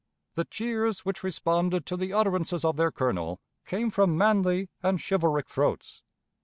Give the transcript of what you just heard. The cheers, which responded to the utterances of their colonel, came from manly and chivalric throats.